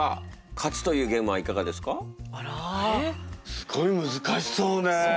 すごい難しそうね。